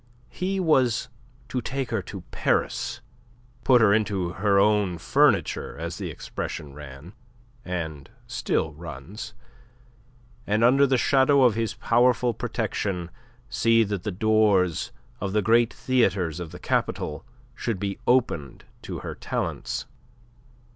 He was to take her to Paris, put her into her own furniture as the expression ran, and still runs and under the shadow of his powerful protection see that the doors of the great theatres of the capital should be opened to her talents.